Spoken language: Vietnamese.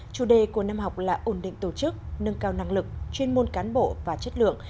chủ đề của năm học là ổn định tổ chức nâng cao năng lực chuyên môn cán bộ và chất lượng